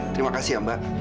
terima kasih ya mbak